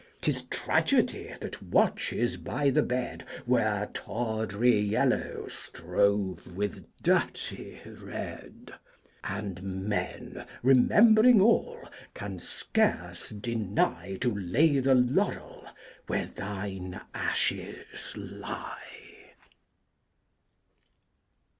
'T is Tragedy that watches by the Bed 'Where tawdry Yellow strove with dirty Red,' And men, remembering all, can scarce deny To lay the Laurel where thine Ashes lie!